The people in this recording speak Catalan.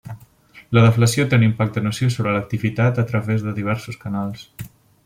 La deflació té un impacte nociu sobre l'activitat a través de diversos canals.